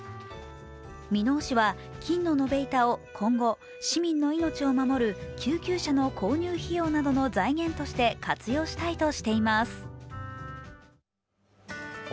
箕面市は、金の延べ板を、今後市民の命を守る救急車の購入費用などの財源として活用したいとしています。